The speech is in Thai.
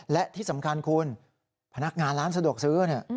และที่สำคัญคุณพนักงานร้านสะดวกซื้อเนี่ย